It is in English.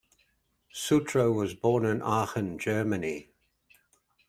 Sutro was born in Aachen, Germany.